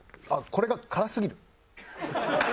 これが辛すぎる。